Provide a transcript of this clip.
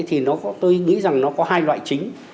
thì tôi nghĩ rằng nó có hai loại chính